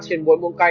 trên bốn muỗng canh